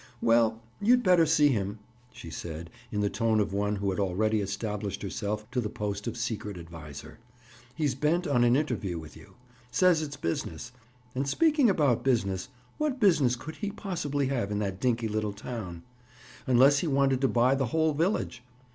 "Well, you'd better see him," she said in the tone of one who had already established herself to the post of secret adviser. "He's bent on an interview with you. Says it's business. And speaking about business, what business could he possibly have in that dinky little town? Unless he wanted to buy the whole village!